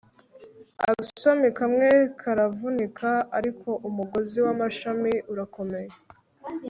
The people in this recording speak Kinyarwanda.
agashami kamwe karavunika, ariko umugozi w'amashami urakomeye